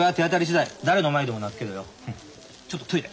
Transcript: ちょっとトイレ。